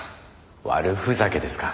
悪ふざけですか。